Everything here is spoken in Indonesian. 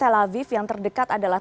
tel aviv yang terdekat adalah